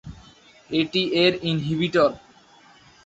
এটি এর ইনহিবিটর।